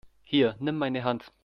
Hier, nimm meine Hand!